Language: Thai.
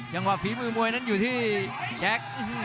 จังหวะฝีมือมวยนั้นอยู่ที่แจ็ค